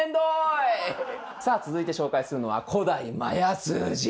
さあ続いて紹介するのは「古代マヤ数字」。